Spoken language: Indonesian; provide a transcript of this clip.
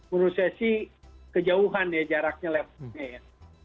menurut saya sih kejauhan ya jaraknya levelnya ya